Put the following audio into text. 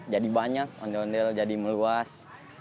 jadi banyak ondel ondel jadi meluas